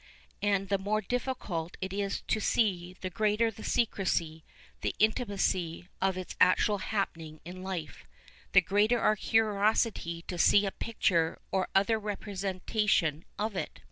And the more dilTieult it is to see, the greater the secrecy, the intimacy, of its actual happening in life, the greater our curiosity to see a pietiirc or other repre sentation of it.